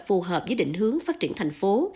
phù hợp với định hướng phát triển thành phố